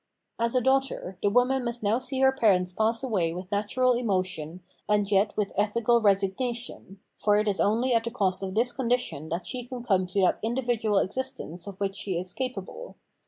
As a daughter, the woman must now see her parents pass away with natural emotion and yet with ethical resignation, for it is only at the cost of this con dition that she can come to that individual existence of which she is capable.